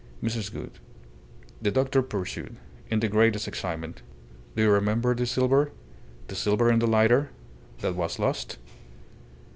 ... Mrs. Gould," the doctor pursued, in the greatest excitement. "Do you remember the silver? The silver in the lighter that was lost?"